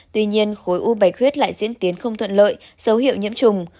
tuy nhiên khối u bày khuyết lại diễn tiến không thuận lợi dấu hiệu nhiễm trùng